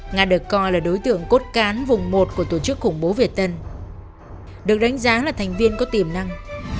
nga được coi là đối tượng cốt cán vùng một của tổ chức khủng bố việt tân được đánh giá là thành viên có tiềm năng